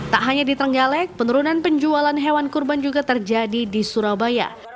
tak hanya di trenggalek penurunan penjualan hewan kurban juga terjadi di surabaya